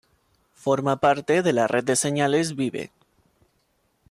Forma parte de la red de señales Vive!